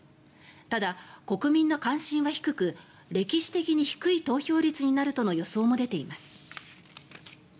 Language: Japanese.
ただ、国民の関心は低く歴史的に低い投票率になるとの予想も出ています。